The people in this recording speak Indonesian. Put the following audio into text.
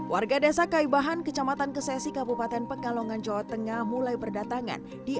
warga desa kaibahan kecamatan kesesi kabupaten pekalongan jawa tengah mulai berdatangan di